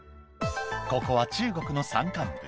ここは中国の山間部